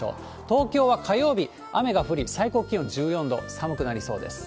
東京は火曜日、雨が降り、最高気温１４度。寒くなりそうです。